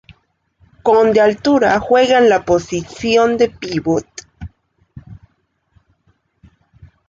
Con de altura, juega en la posición de pívot.